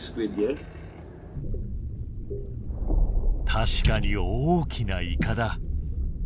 確かに大きなイカだ。